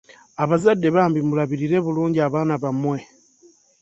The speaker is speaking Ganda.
Abazadde bambi mulabirire bulungi abaana bammwe.